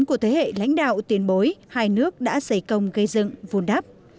của thế hệ lãnh đạo tiền bối hai nước đã giấy công gây dựng vô đáp